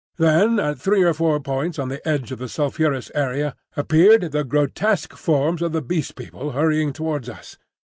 Then at three or four points on the edge of the sulphurous area appeared the grotesque forms of the Beast People hurrying towards us.